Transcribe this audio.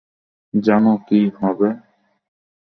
জানো কী হবে?